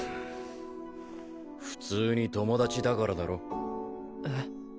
普通に友達だからだろえっ？